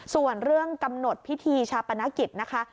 ส่วนเรื่องกำหนดพิธีชาปนกิจนะคะ